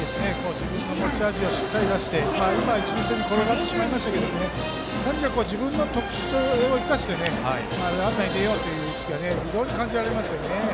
自分の持ち味をしっかり出して一塁線に転がしましたけど自分の特長を生かしてランナーとして出ようと意識を非常に感じますよね。